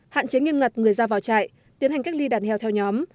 hạn chế nghiêm ngặt người ra vào trại tiến hành cách ly đàn heo theo nhóm